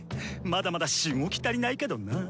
まだまだしごき足りないけどナ！